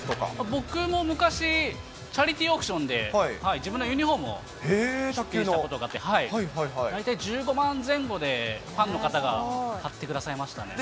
僕も昔、チャリティーオークションで、自分のユニホームを出品したことがあって、大体１５万前後でファンの方が買ってくださいましたね。